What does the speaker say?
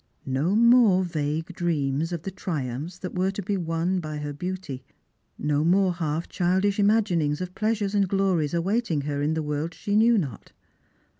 No more vague dreams of the triumphs that were to be won by her beauty, no more half childish imaginings of pleasures and glories awaiting her in the world she knew not.